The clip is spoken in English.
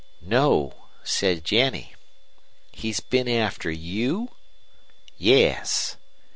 "'No,' said Jennie. "'He's been after you?' "'Yes.'